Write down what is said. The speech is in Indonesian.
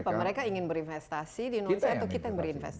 apa mereka ingin berinvestasi di indonesia atau kita yang berinvestasi